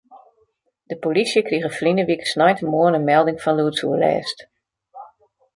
De polysje krige ferline wike sneintemoarn in melding fan lûdsoerlêst.